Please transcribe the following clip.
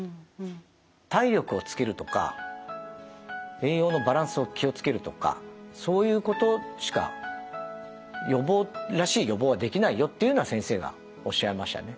「体力をつけるとか栄養のバランスを気を付けるとかそういうことしか予防らしい予防はできないよ」っていうのは先生がおっしゃいましたね。